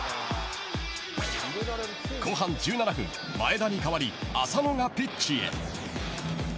後半１７分前田に代わり浅野がピッチへ。